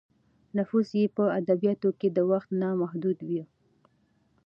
نفوذ یې په ادبیاتو کې د وخت نه محدود و.